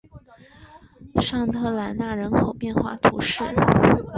尚特兰讷人口变化图示